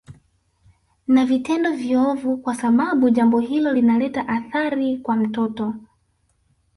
na vitendo viovu kwa sababu jambo hilo linaleta athari kwa mtoto